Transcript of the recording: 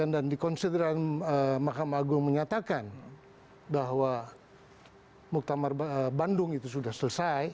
dan dikonsideran mahkamah agung menyatakan bahwa muktamar bandung itu sudah selesai